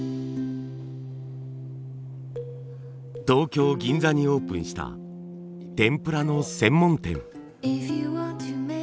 東京銀座にオープンした天ぷらの専門店。